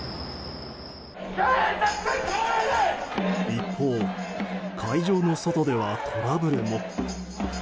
一方、会場の外ではトラブルも。